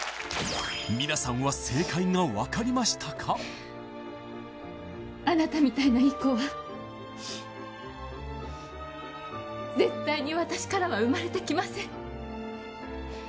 皆さんはあなたみたいないい子は絶対に私からは生まれてきません